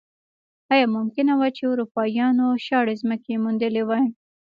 ایا ممکنه وه چې اروپایانو شاړې ځمکې موندلی وای.